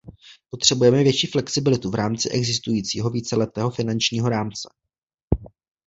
Potřebujeme větší flexibilitu v rámci existujícího víceletého finančního rámce.